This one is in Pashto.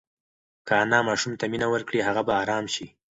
که انا ماشوم ته مینه ورکړي، هغه به ارام شي.